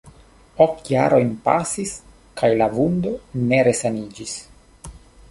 Ok jarojn pasis, kaj la vundo ne resaniĝis.